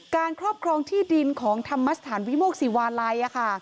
ครอบครองที่ดินของธรรมสถานวิโมกศิวาลัย